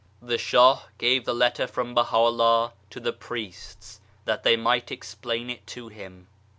1 The Shah gave the letter from Baha'u'llah to the priests that they might explain it to him.